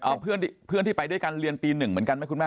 แล้วเพื่อนที่ไปด้วยกันเรียนปี๑เหมือนกันไหมคุณแม่